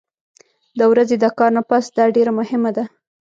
د ورځې د کار نه پس دا ډېره مهمه ده